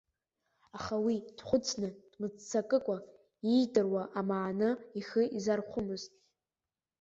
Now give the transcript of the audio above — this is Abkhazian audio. Аха уи дхәыцны, дмыццакыкәа, иидыруа амаана ихы изархәомызт.